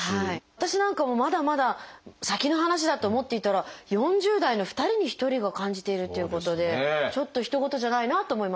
私なんかもまだまだ先の話だと思っていたら４０代の２人に１人が感じているっていうことでちょっとひと事じゃないなと思います。